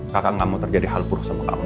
kakak gak mau terjadi hal buruk sama kamu